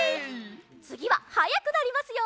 つぎははやくなりますよ！